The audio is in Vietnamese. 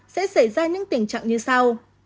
sẽ xảy ra những tình trạng như sau